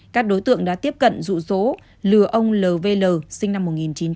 các đối tượng đã tiếp cận dụ số lừa ông lvl sinh năm một nghìn chín trăm năm mươi một